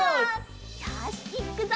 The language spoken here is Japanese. よしいっくぞ！